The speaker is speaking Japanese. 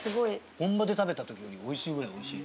本場で食べた時より美味しいぐらい美味しい。